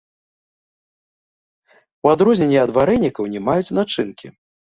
У адрозненне ад варэнікаў не маюць начынкі.